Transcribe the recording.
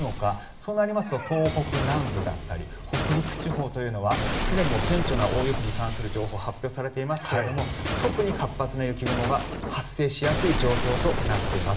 そうなりますと東北南部だったり北陸地方というのはすでに顕著な大雪に関する情報が発表されていますが特に活発な雪雲が発生しやすい状況になっています。